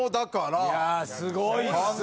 いやあすごいですね！